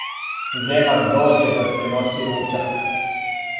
Земан дође да се носи ручак,